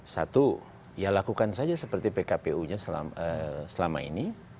satu ya lakukan saja seperti pkpu nya selama ini